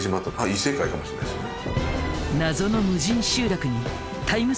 異世界かもしれないですよね。